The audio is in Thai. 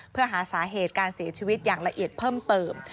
เพื่อหาสาเหตุการเสียชีวิตอย่างละเอียดเพิ่มเติม